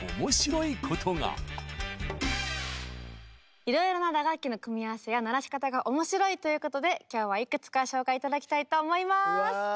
いろいろな打楽器の組み合わせや鳴らし方が面白いということで今日はいくつか紹介頂きたいと思います！